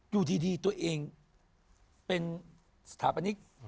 อยู่ดีตัวเองเป็นสถาปนิก